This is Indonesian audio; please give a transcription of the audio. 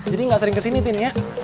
jadi gak sering kesini tin ya